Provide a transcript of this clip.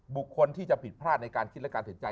บุคคลที่จะผิดพลาดในการคิดและการเห็นใจ